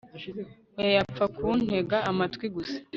oya, yapfa kuntega amatwi gusa